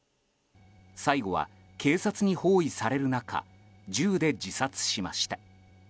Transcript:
最後は警察に包囲される中銃で自殺しました。